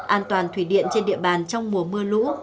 an toàn thủy điện trên địa bàn trong mùa mưa lũ